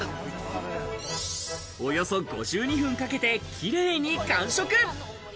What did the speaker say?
およそ５２分かけてキレイに完食。